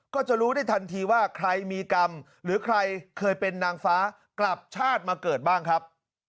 ก็จะรู้ได้ทันทีว่าใครมีกรรมหรือใครเคยเป็นนางฟ้ากลับชาติมาเกิดบ้างครับ